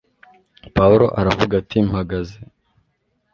Pawulo aravuga ati mpagaze